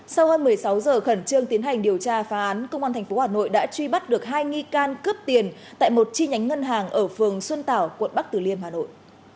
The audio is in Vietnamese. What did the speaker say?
sau hơn một mươi sáu giờ khẩn trương tiến hành điều tra phá án công an tp hà nội đã truy bắt được hai nghi can cướp tiền tại một chi nhánh ngân hàng ở phường xuân tảo quận bắc tử liêm hà nội